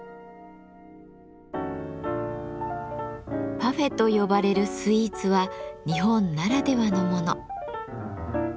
「パフェ」と呼ばれるスイーツは日本ならではのもの。